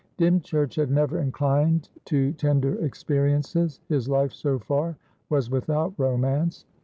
Dymchurch had never inclined to tender experiences; his life so far was without romance.